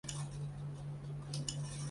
中国人民解放军少将。